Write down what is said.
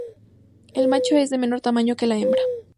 El macho es de menor tamaño que la hembra.